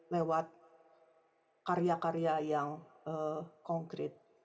lewat karya karya yang konkret